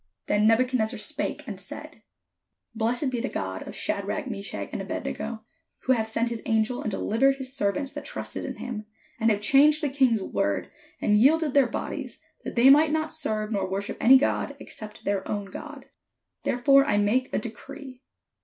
Then Nebuchadnezzar spake, and said: ''Blessed be the God of Shadrach, Meshach, and Abed nego, who hath sent his angel, and delivered his servants that trusted in him, and have changed the king's word, and yielded their bodies, that they might not serve nor wor ship any god, except their own God. Therefore I make a decree.